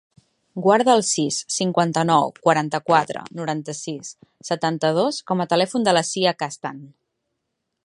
Guarda el sis, cinquanta-nou, quaranta-quatre, noranta-sis, setanta-dos com a telèfon de la Sia Castan.